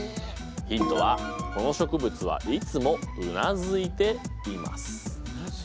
ヒントはこの植物はいつもうなずいています。